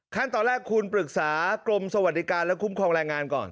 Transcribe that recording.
ขั้นตอนแรกคุณปรึกษากรมสวัสดิการและคุ้มครองแรงงานก่อน